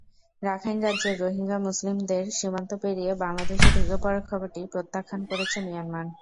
Rakhine রাজ্যের Rohingya মুসলিমদের সীমান্ত পেরিয়ে বাংলাদেশে ঢুকে পড়ার খবরটি প্রত্যাখ্যান করেছে মিয়ানমার।